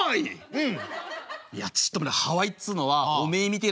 うん？